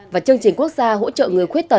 và chương trình quốc gia hỗ trợ người khuyết tật